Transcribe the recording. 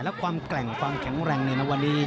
และความแกร่งความแข็งแรงในวันนี้